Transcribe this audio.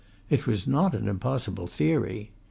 It was not an impossible theory.